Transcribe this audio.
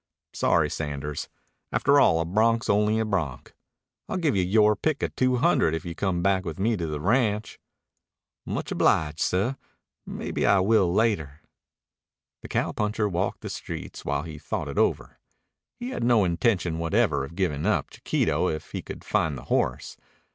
Sorry, Sanders. After all, a bronc's only a bronc. I'll give you yore pick of two hundred if you come back with me to the ranch." "Much obliged, seh. Maybe I will later." The cowpuncher walked the streets while he thought it over. He had no intention whatever of giving up Chiquito if he could find the horse.